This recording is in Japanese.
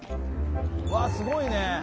うわすごいね。